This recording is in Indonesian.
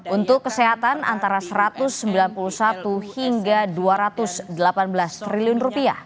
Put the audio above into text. untuk kesehatan antara rp satu ratus sembilan puluh satu hingga rp dua ratus delapan belas triliun